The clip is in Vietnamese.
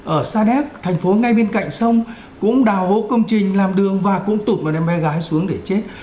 ở sa đéc thành phố ngay bên cạnh sông cũng đào hố công trình làm đường và cũng tụt một em bé gái xuống để chết